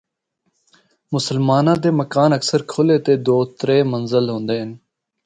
مسلماناں دے مکان اکثر کھلے تے دو ترے منزل ہوندے ہن۔